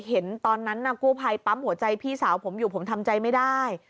เห็นตอนนั้นน่ะกู้ภัยปั๊มหัวใจพี่สาวผมอยู่ผมทำใจไม่ได้